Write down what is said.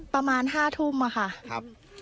ประมาณ๕ทุ่มค่ะ